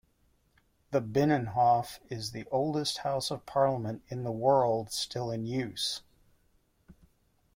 The Binnenhof is the oldest House of Parliament in the world still in use.